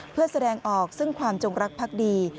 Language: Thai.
เพื่อแสดงออกซึ่งความจงรักพักดี